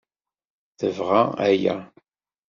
Tebɣa aya.